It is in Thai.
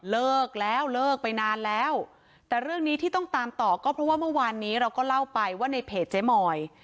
เลิกแล้วเลิกไปนานแล้วแต่เรื่องนี้ที่ต้องตามต่อก็เพราะว่าเมื่อวานนี้เราก็เล่าไปว่าในเพจเจ๊มอย